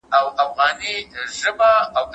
مهم دی.